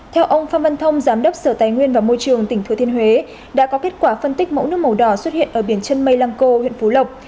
theo ông phan văn thông giám đốc sở tài nguyên và môi trường tỉnh thừa thiên huế đã có kết quả phân tích mẫu nước màu đỏ xuất hiện ở biển chân mây lăng cô huyện phú lộc